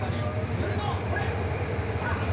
すると、これ、ほら！